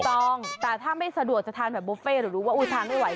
ถูกต้องแต่ถ้าไม่สะดวกจะทานแบบบุฟเฟ่หรือรู้ว่าอุ๊ยทานไม่ไหว